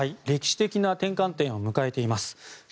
歴史的な転換点を向かえています。